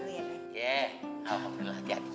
iya alhamdulillah jadi ya